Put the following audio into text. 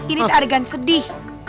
ini adegan sedih